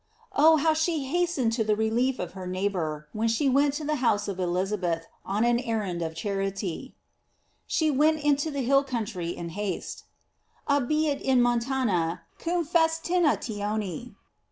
Oh! how she hastened to the relief of her neighbor, when she went to the house of Elizabeth on an errand of charity: She went into the hill country in haste: "Abiit in montana cum festinatione."